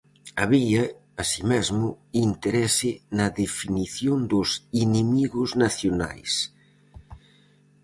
Había, así mesmo, interese na definición dos "inimigos nacionais".